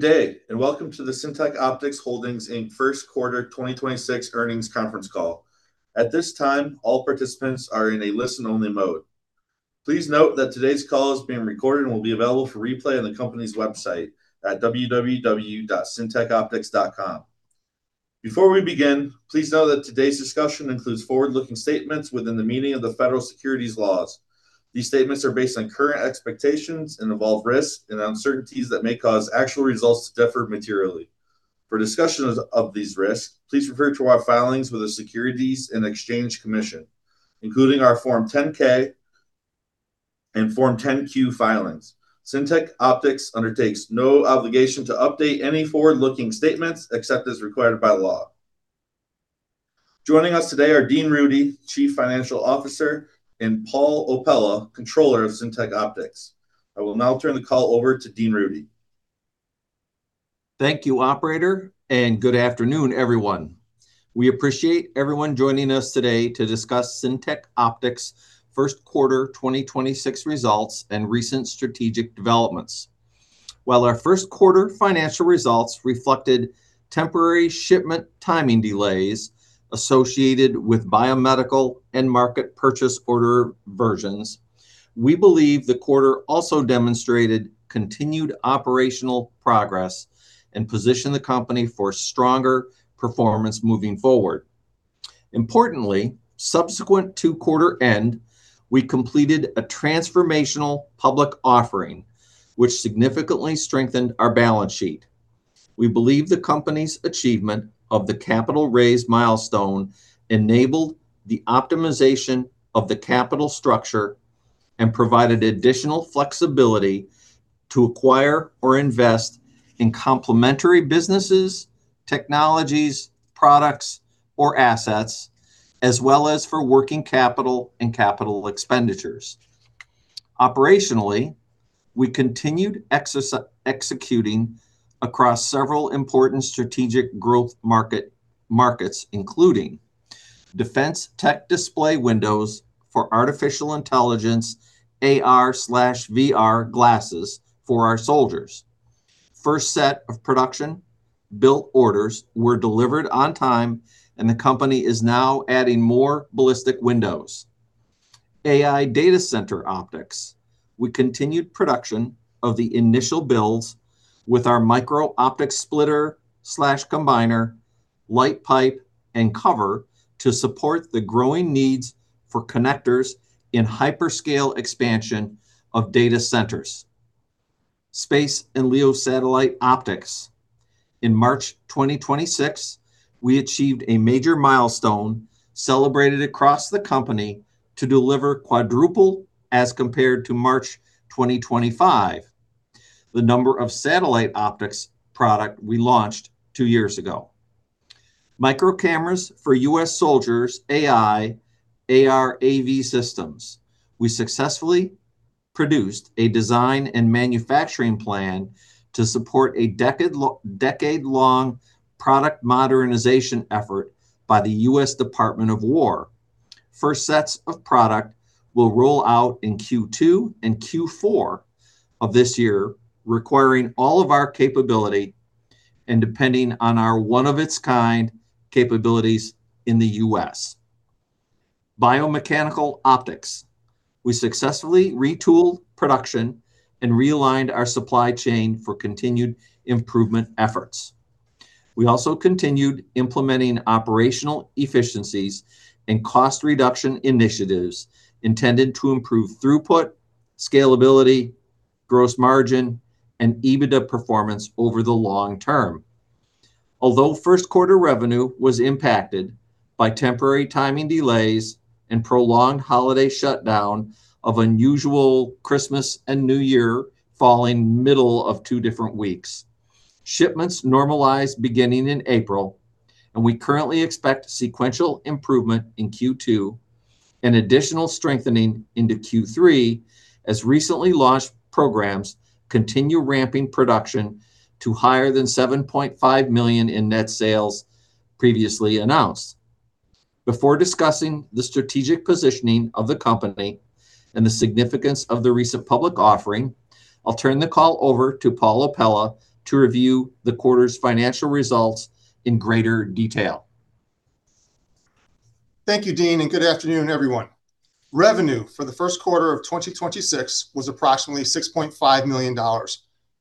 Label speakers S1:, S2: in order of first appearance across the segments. S1: Good day, welcome to the Syntec Optics Holdings Inc. First Quarter 2026 Earnings Conference Call. At this time, all participants are in a listen-only mode. Please note that today's call is being recorded and will be available for replay on the company's website at www.syntecoptics.com. Before we begin, please note that today's discussion includes forward-looking statements within the meaning of the federal securities laws. These statements are based on current expectations and involve risks and uncertainties that may cause actual results to differ materially. For a discussion of these risks, please refer to our filings with the Securities and Exchange Commission, including our Form 10-K and Form 10-Q filings. Syntec Optics undertakes no obligation to update any forward-looking statements, except as required by law. Joining us today are Dean Rudy, Chief Financial Officer, and Paul Opela, Controller of Syntec Optics. I will now turn the call over to Dean Rudy.
S2: Thank you, operator, and good afternoon, everyone. We appreciate everyone joining us today to discuss Syntec Optics' Q1 2026 results and recent strategic developments. While our Q1 financial results reflected temporary shipment timing delays associated with biomedical end-market purchase order revisions, we believe the quarter also demonstrated continued operational progress and positioned the company for stronger performance moving forward. Importantly, subsequent to quarter end, we completed a transformational public offering, which significantly strengthened our balance sheet. We believe the company's achievement of the capital raise milestone enabled the optimization of the capital structure and provided additional flexibility to acquire or invest in complementary businesses, technologies, products, or assets, as well as for working capital and capital expenditures. Operationally, we continued executing across several important strategic growth markets, including defense tech display windows for artificial intelligence, AR/VR glasses for our soldiers. First set of production built orders were delivered on time, and the company is now adding more ballistic windows. AI data center optics. We continued production of the initial builds with our micro optic splitter/combiner, light pipe, and cover to support the growing needs for connectors in hyperscale expansion of data centers. Space and LEO satellite optics. In March 2026, we achieved a major milestone celebrated across the company to deliver quadruple as compared to March 2025, the number of satellite optics product we launched two years ago. microcameras for U.S. soldiers' AI, AR, VR systems. We successfully produced a design and manufacturing plan to support a decade-long product modernization effort by the U.S. Department of War. First sets of product will roll out in Q2 and Q4 of this year, requiring all of our capability and depending on our one of its kind capabilities in the U.S. Biomedical optics. We successfully retooled production and realigned our supply chain for continued improvement efforts. We also continued implementing operational efficiencies and cost reduction initiatives intended to improve throughput, scalability, gross margin, and EBITDA performance over the long term. Although first quarter revenue was impacted by temporary timing delays and prolonged holiday shutdown of unusual Christmas and New Year falling middle of two different weeks, shipments normalized beginning in April, and we currently expect sequential improvement in Q2 and additional strengthening into Q3 as recently launched programs continue ramping production to higher than $7.5 million in net sales previously announced. Before discussing the strategic positioning of the company and the significance of the recent public offering, I'll turn the call over to Paul Opella to review the quarter's financial results in greater detail.
S3: Thank you, Dean, and good afternoon, everyone. Revenue for the first quarter of 2026 was approximately $6.5 million,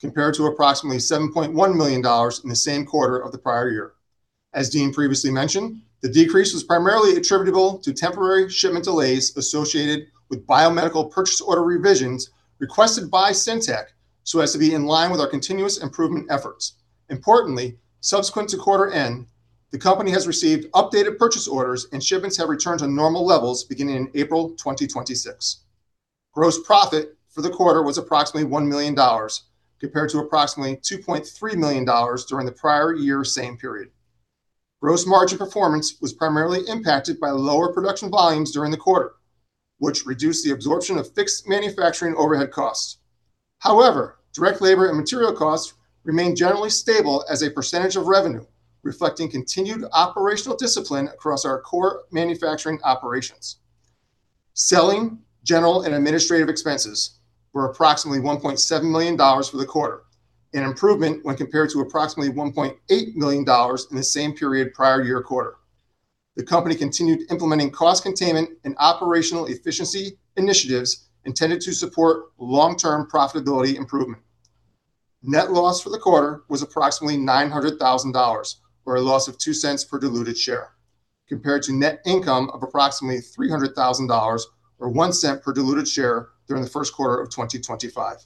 S3: compared to approximately $7.1 million in the same quarter of the prior year. As Dean previously mentioned, the decrease was primarily attributable to temporary shipment delays associated with biomedical purchase order revisions requested by Syntec so as to be in line with our continuous improvement efforts. Importantly, subsequent to quarter end, the company has received updated purchase orders, and shipments have returned to normal levels beginning in April 2026. Gross profit for the quarter was approximately $1 million, compared to approximately $2.3 million during the prior year same period. Gross margin performance was primarily impacted by lower production volumes during the quarter, which reduced the absorption of fixed manufacturing overhead costs. Direct labor and material costs remained generally stable as a percentage of revenue, reflecting continued operational discipline across our core manufacturing operations. Selling, general, and administrative expenses were approximately $1.7 million for the quarter, an improvement when compared to approximately $1.8 million in the same period prior year quarter. The company continued implementing cost containment and operational efficiency initiatives intended to support long-term profitability improvement. Net loss for the quarter was approximately $900,000, or a loss of $0.02 per diluted share, compared to net income of approximately $300,000, or $0.01 per diluted share, during the first quarter of 2025.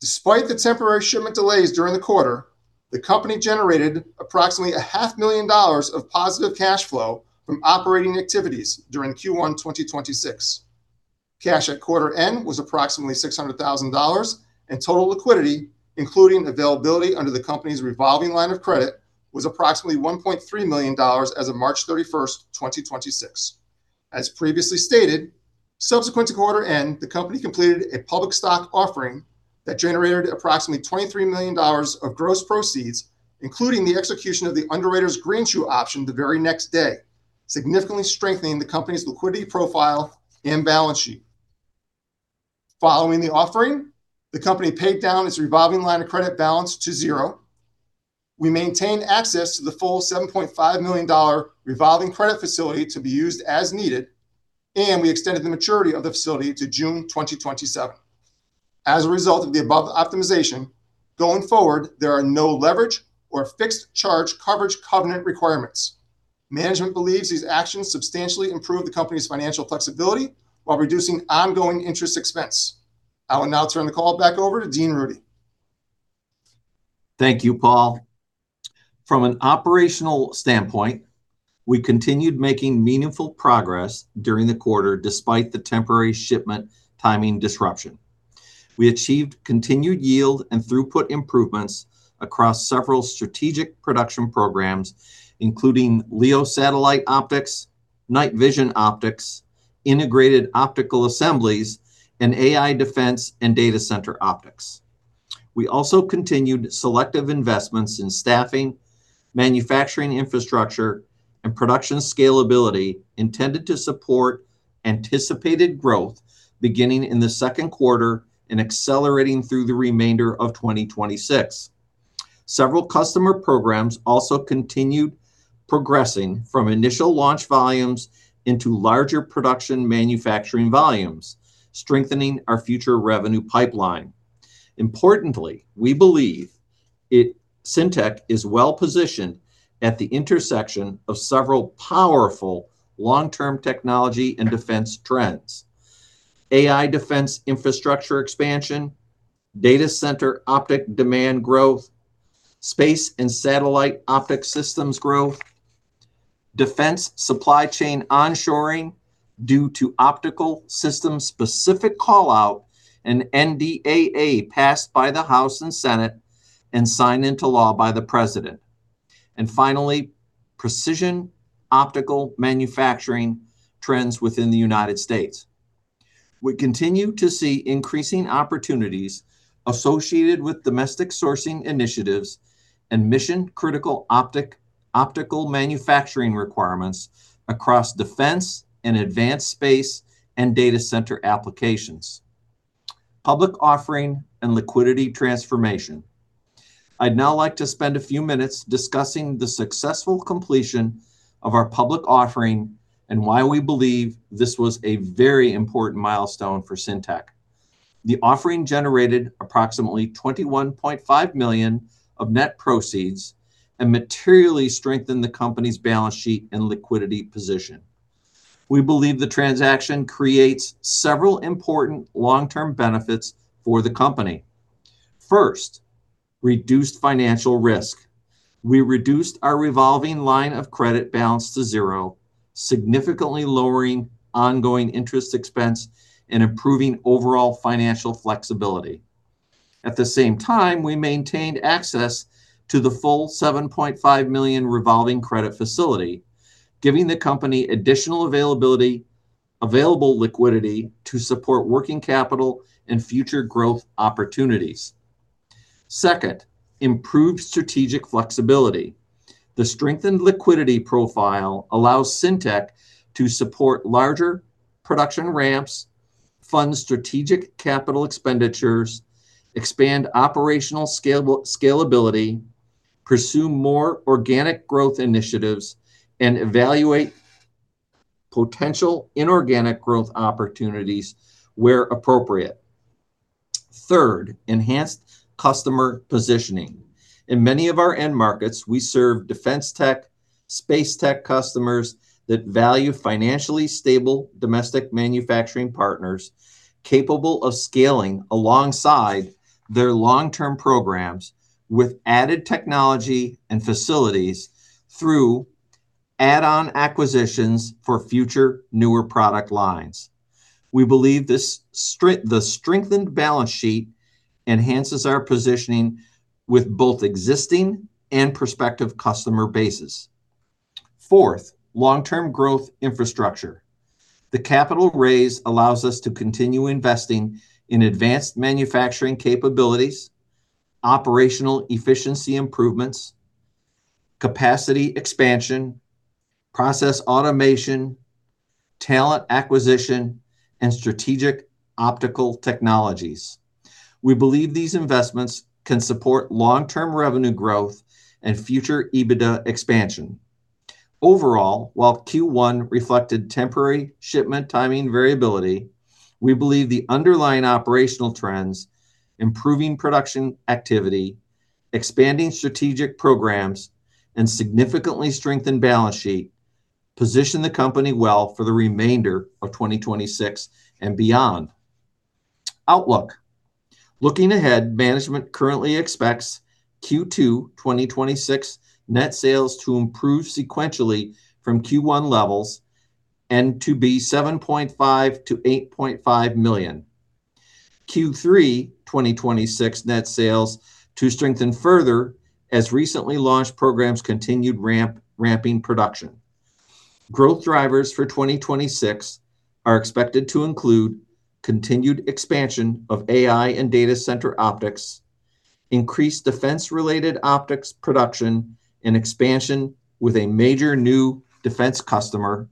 S3: Despite the temporary shipment delays during the quarter, the company generated approximately a half million dollars of positive cash flow from operating activities during Q1 2026. Cash at quarter end was approximately $600,000, and total liquidity, including availability under the company's revolving line of credit, was approximately $1.3 million as of March 31st, 2026. As previously stated, subsequent to quarter end, the company completed a public stock offering that generated approximately $23 million of gross proceeds, including the execution of the underwriter's greenshoe option the very next day, significantly strengthening the company's liquidity profile and balance sheet. Following the offering, the company paid down its revolving line of credit balance to zero. We maintained access to the full $7.5 million revolving credit facility to be used as needed, and we extended the maturity of the facility to June 2027. As a result of the above optimization, going forward, there are no leverage or fixed charge coverage covenant requirements. Management believes these actions substantially improve the company's financial flexibility while reducing ongoing interest expense. I will now turn the call back over to Dean Rudy.
S2: Thank you, Paul. From an operational standpoint, we continued making meaningful progress during the quarter despite the temporary shipment timing disruption. We achieved continued yield and throughput improvements across several strategic production programs, including LEO satellite laser optics, night vision optics, integrated optical assemblies, and AI data center optic connectors. We also continued selective investments in staffing, manufacturing infrastructure, and production scalability intended to support anticipated growth beginning in the second quarter and accelerating through the remainder of 2026. Several customer programs also continued progressing from initial launch volumes into larger production manufacturing volumes, strengthening our future revenue pipeline. Importantly, we believe Syntec is well-positioned at the intersection of several powerful long-term technology and defense trends. AI defense infrastructure expansion, data center optic demand growth, space and satellite optics systems growth, defense supply chain onshoring due to optical system-specific call-out and NDAA passed by the House and Senate and signed into law by the President, finally, precision optical manufacturing trends within the United States. We continue to see increasing opportunities associated with domestic sourcing initiatives and mission-critical optical manufacturing requirements across defense and advanced space and data center applications. Public offering and liquidity transformation. I'd now like to spend a few minutes discussing the successful completion of our public offering and why we believe this was a very important milestone for Syntec. The offering generated approximately $21.5 million of net proceeds and materially strengthened the company's balance sheet and liquidity position. We believe the transaction creates several important long-term benefits for the company. First, reduced financial risk. We reduced our revolving line of credit balance to zero, significantly lowering ongoing interest expense and improving overall financial flexibility. At the same time, we maintained access to the full $7.5 million revolving credit facility, giving the company additional availability, available liquidity to support working capital and future growth opportunities. Second, improved strategic flexibility. The strengthened liquidity profile allows Syntec to support larger production ramps, fund strategic capital expenditures, expand operational scalability, pursue more organic growth initiatives, and evaluate potential inorganic growth opportunities where appropriate. Third, enhanced customer positioning. In many of our end markets, we serve defense tech, space tech customers that value financially stable domestic manufacturing partners capable of scaling alongside their long-term programs with added technology and facilities through add-on acquisitions for future newer product lines. We believe the strengthened balance sheet enhances our positioning with both existing and prospective customer bases. Fourth, long-term growth infrastructure. The capital raise allows us to continue investing in advanced manufacturing capabilities, operational efficiency improvements, capacity expansion, process automation, talent acquisition, and strategic optical technologies. We believe these investments can support long-term revenue growth and future EBITDA expansion. Overall, while Q1 reflected temporary shipment timing variability, we believe the underlying operational trends, improving production activity, expanding strategic programs, and significantly strengthened balance sheet position the company well for the remainder of 2026 and beyond. Outlook. Looking ahead, management currently expects Q2 2026 net sales to improve sequentially from Q1 levels and to be $7.5 million-$8.5 million. Q3 2026 net sales to strengthen further as recently launched programs continued ramping production. Growth drivers for 2026 are expected to include continued expansion of AI and data center optics, increased defense-related optics production and expansion with a major new defense customer,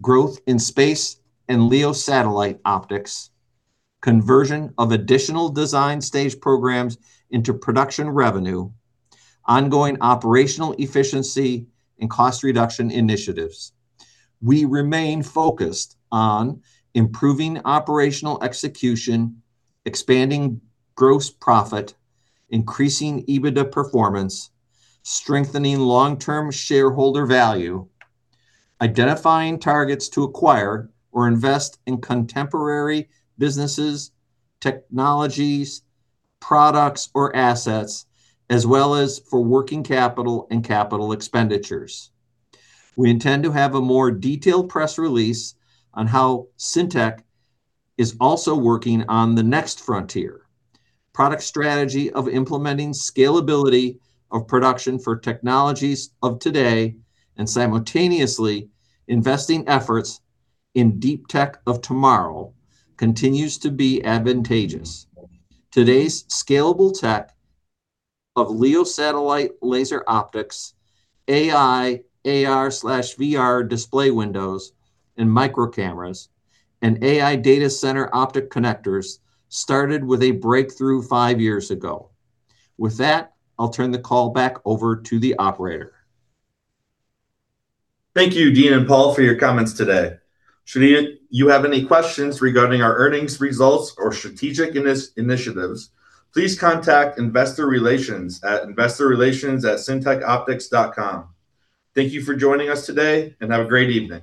S2: growth in space and LEO satellite optics, conversion of additional design stage programs into production revenue, ongoing operational efficiency and cost reduction initiatives. We remain focused on improving operational execution, expanding gross profit, increasing EBITDA performance, strengthening long-term shareholder value, identifying targets to acquire or invest in complementary businesses, technologies, products, or assets, as well as for working capital and capital expenditures. We intend to have a more detailed press release on how Syntec is also working on the next frontier. Product strategy of implementing scalability of production for technologies of today and simultaneously investing efforts in deep tech of tomorrow continues to be advantageous. Today's scalable tech of LEO satellite laser optics, AI, AR/VR display windows, microcameras, and AI data center optic connectors started with a breakthrough five years ago. With that, I'll turn the call back over to the operator.
S1: Thank you, Dean and Paul, for your comments today. Should you have any questions regarding our earnings results or strategic initiatives, please contact investor relations at investorrelations@syntecoptics.com. Thank you for joining us today, and have a great evening.